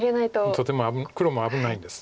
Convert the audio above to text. とても黒も危ないんです。